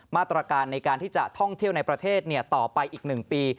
มาตรการในการที่จะท่องเที่ยวในประเทศต่อไปอีก๑ปี